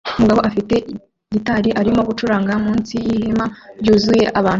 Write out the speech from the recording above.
Umugabo ufite gitari arimo gucuranga munsi yihema ryuzuye abantu